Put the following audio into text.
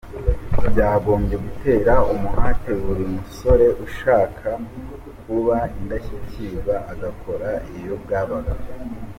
"Byagombye gutera umuhate buri musore ushaka kuba indashyikirwa agakora iyo bwabaga.